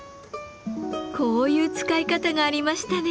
こういう使い方がありましたね。